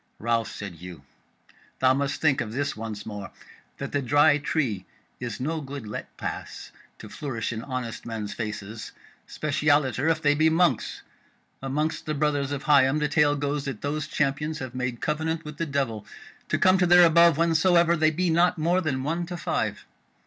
"Ralph," said Hugh, "thou must think of this once more, that the Dry Tree is no good let pass to flourish in honest men's faces; specialiter if they be monks. Amongst the brothers of Higham the tale goes that those Champions have made covenant with the devil to come to their above whensoever they be not more than one to five.